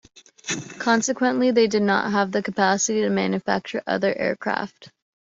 Consequently, they did not have the capacity to manufacture other aircraft.